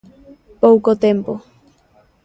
Pouco tempo.